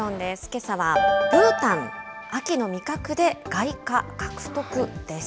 けさは、ブータン、秋の味覚で外貨獲得です。